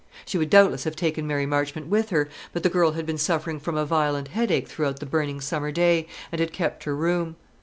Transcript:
She would doubtless have taken Mary Marchmont with her; but the girl had been suffering from a violent headache throughout the burning summer day, and had kept her room.